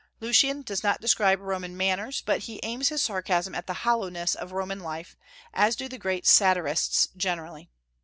Lucian does not describe Roman manners, but he aims his sarcasm at the hollowness of Roman life, as do the great satirists generally.